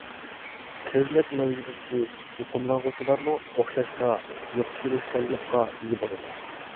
كۆزنەك مەزگىلىدىكى يۇقۇملانغۇچىلارمۇ ئوخشاشلا يۇقتۇرۇشچانلىققا ئىگە بولىدۇ.